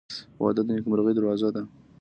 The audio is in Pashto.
• واده د نیکمرغۍ دروازه ده.